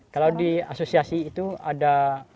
kalau di asosiasi itu ada empat puluh enam